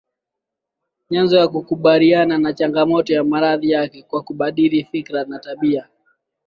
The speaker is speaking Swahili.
nyenzo ya kukabiliana na changamoto ya maradhi yake kwa kubadili fikra na tabia